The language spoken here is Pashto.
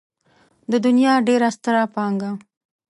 د دنيا ډېره ستره پانګه.